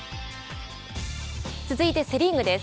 続いてセ・リーグです。